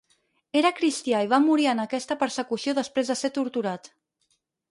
Era cristià i va morir en aquesta persecució després de ser torturat.